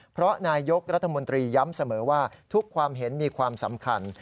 เพราะนายกรัฐมนตรีย้ำเสมอว่าทุกความเห็นมีความสำคัญ